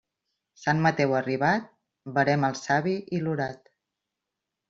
Sant Mateu arribat, verema el savi i l'orat.